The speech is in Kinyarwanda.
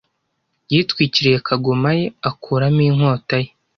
' Yitwikiriye kagoma ye, akuramo inkota ye,